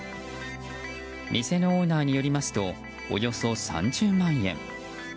店のオーナーによりますとおよそ３０万円。